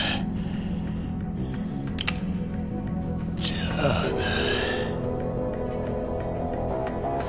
じゃあな。